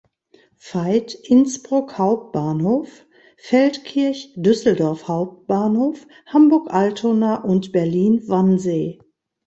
Veit, Innsbruck Hbf, Feldkirch, Düsseldorf Hbf, Hamburg-Altona und Berlin-Wannsee.